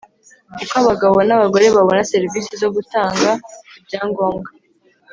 Uko abagabo n abagore babona serivisi zo gutanga ibyangombwa